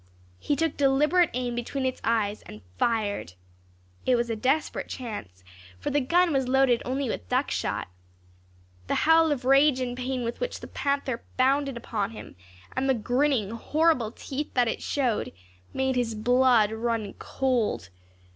He took deliberate aim between its eyes, and fired. It was a desperate chance, for the gun was loaded only with duck shot. The howl of rage and pain with which the panther bounded upon him, and the grinning horrible teeth that it showed, made his blood run cold.